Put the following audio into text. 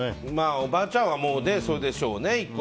おばあちゃんはそうでしょうね。